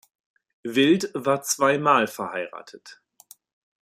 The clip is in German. Wild war zweimal verheiratet.